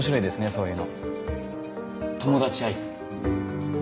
そういうの友達アイス？